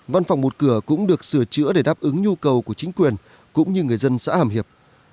văn phòng một cửa cũng được sửa chữa để đáp ứng nhu cầu của chính quyền cũng như người dân xã hàm hiệp